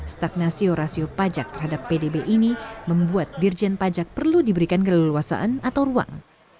stagnasio rasio pajak terhadap pdb ini membuat dirjen pajak perlu diberikan keleluasaan atau ruang